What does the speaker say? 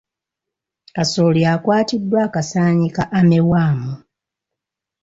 Kasooli akwatiddwa akasaanyi ka armyworm.